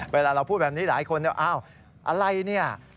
เวลาเราพูดแบบนี้หลายคนอ้าวอะไรเนี่ย